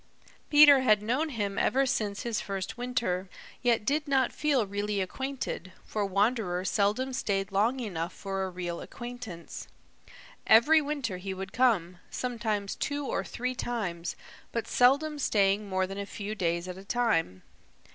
Peter had known him ever since his first winter, yet did not feel really acquainted, for Wanderer seldom stayed long enough for a real acquaintance. Every winter he would come, sometimes two or three times, but seldom staying more than a few days at a time.